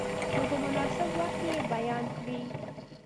نو په مناسب وخت کې یې بیان کړئ.